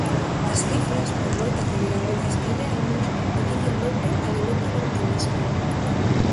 As cifras, por moitas reviravoltas que deamos, dificilmente alimentan o optimismo.